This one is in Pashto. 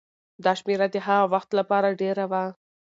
دا شمېره د هغه وخت لپاره ډېره وه.